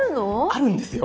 あるんですよ